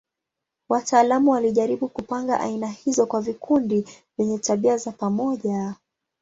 Wataalamu walijaribu kupanga aina hizo kwa vikundi vyenye tabia za pamoja.